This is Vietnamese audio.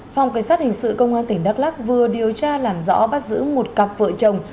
phòng cảnh sát hình sự công an tỉnh đắk lắc vừa điều tra làm rõ bắt giữ một cặp vợ chồng